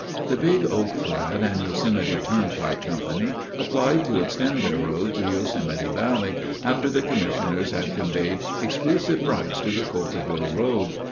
The Big Oak Flat and Yosemite Turnpike Company applied to extend their road to Yosemite Valley after the commissioners had conveyed exclusive rights to the Coulterville Road.